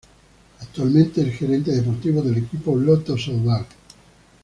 Actualmente es gerente deportivo en el equipo Lotto Soudal.